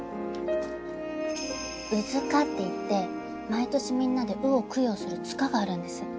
鵜塚っていって毎年みんなで鵜を供養する塚があるんです。